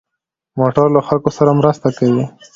موټر له خلکو سره مرسته کوي.